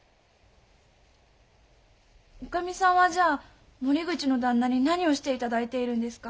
女将さんはじゃあ森口の旦那に何をして頂いているんですか？